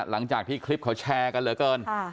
หลังจากที่คลิปเขาแชร์กันเหลือเกิน